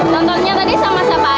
nontonnya tadi sama siapa